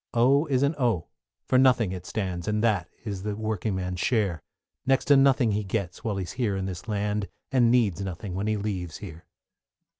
=O= is an O, for nothing it stands, And that is the working man's share; Next to nothing he gets while he is here in this land, And needs nothing when he leaves here.